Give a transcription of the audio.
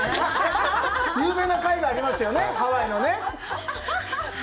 有名な絵画ありますよね、ハワイのね。